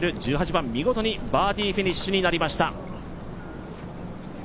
番見事にバーディーフィニッシュになりました。